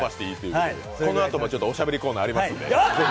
このあともちょっとおしゃべりコーナーありますので、ぜひ。